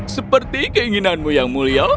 seperti keinginanmu yang mulia